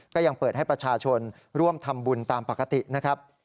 ก็ยังเปิดให้ประชาชนร่วมทำบุญตามปกตินะครับ